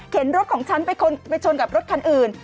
รถของฉันไปชนกับรถคันอื่น